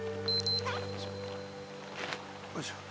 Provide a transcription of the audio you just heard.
よいしょ